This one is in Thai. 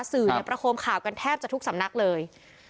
สื่อประคมข่าวกันแทบจะทุกสำนักเลย